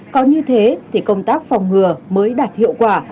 có như thế thì công tác phòng ngừa mới đạt hiệu quả